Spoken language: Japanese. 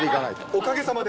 おかげさまで。